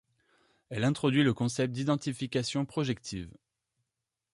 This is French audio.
Elle introduit le concept d'identification projective.